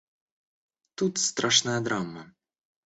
Тут страшная драма.